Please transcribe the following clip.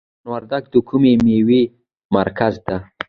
میدان وردګ د کومې میوې مرکز دی؟